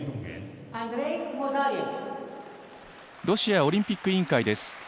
ロシアオリンピック委員会です。